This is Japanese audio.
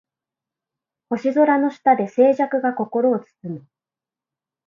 星空の下で静寂が心を包む